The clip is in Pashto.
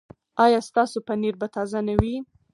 ایا ستاسو پنیر به تازه نه وي؟